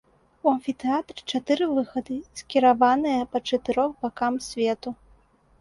У амфітэатры чатыры выхады скіраваныя па чатырох бакам свету.